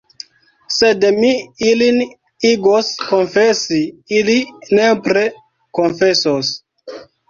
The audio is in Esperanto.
Sed mi ilin igos konfesi, ili nepre konfesos.